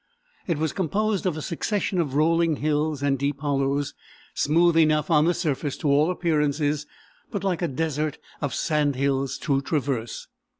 It was composed of a succession of rolling hills and deep hollows, smooth enough on the surface, to all appearances, but like a desert of sand hills to traverse.